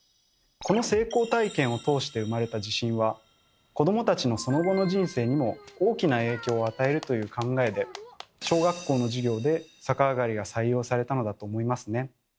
この成功体験を通して生まれた自信は子どもたちのその後の人生にも大きな影響を与えるという考えで小学校の授業で逆上がりが採用されたのだと思いますね。